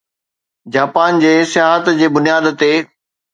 Japan جي سياحت جي بنياد تي